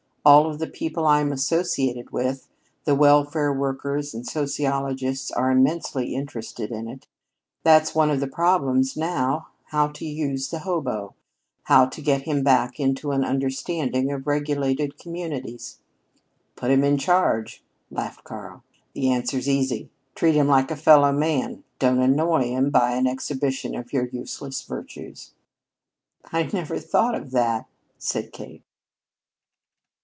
All of the people I am associated with, the welfare workers and sociologists, are immensely interested in it. That's one of the problems now how to use the hobo, how to get him back into an understanding of regulated communities." "Put him in charge," laughed Karl. "The answer's easy. Treat him like a fellow man. Don't annoy him by an exhibition of your useless virtues." "I never thought of that," said Kate.